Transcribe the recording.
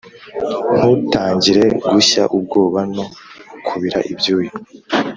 ntutangire gushya ubwoba no kubira ibyuya,